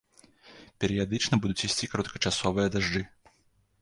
Перыядычна будуць ісці кароткачасовыя дажджы.